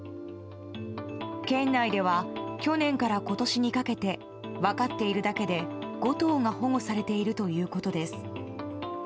県内では去年から今年にかけて分かっているだけで５頭が保護されているということです。